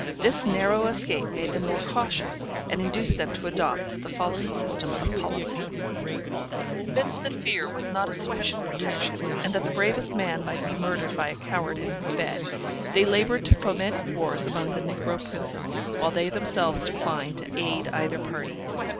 This narrow escape made them more cautious, and induced them to adopt the following system of policy: Convinced that fear was not a sufficient protection, and that the bravest man might be murdered by a coward in his bed, they labored to foment wars among the negro princes, while they themselves declined to aid either party.